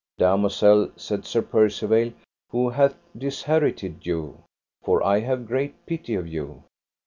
Damosel, said Sir Percivale, who hath disherited you? for I have great pity of you.